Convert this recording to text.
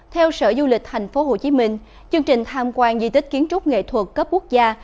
theo sở du lịch tp hcm chương trình tham quan di tích kiến trúc nghệ thuật cấp quốc gia